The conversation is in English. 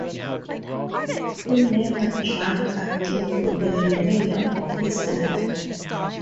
He never drank again for the remainder of his life.